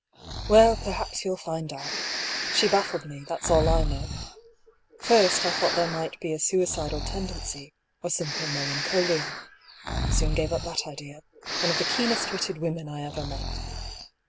"Well, perhaps you'll find out. She baffled me; that's all I know. First I thought there might be a THE BEGINNING OF THE SEQUEL. 167 suicidal tendency, or simple melancholia. Soon gave np that idea— one of the keenest witted women I ever met.